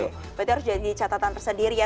berarti harus jadi catatan tersendiri ya